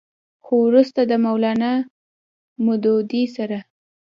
خو وروستو د مولانا مودودي سره